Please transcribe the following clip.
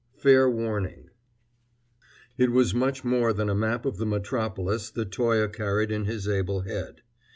IX FAIR WARNING It was much more than a map of the metropolis that Toye carried in his able head.